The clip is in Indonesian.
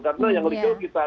karena yang legal kita